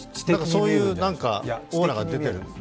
そういうなんかオーラが出てる。